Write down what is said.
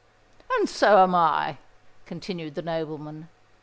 "And so am I," continued the nobleman.